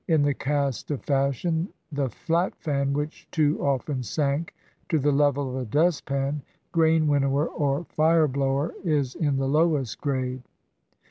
In the caste of fashion the flat fan, which too often sank to the level of a dustpan, grain winnower, or fire blower, is in the lowest grade.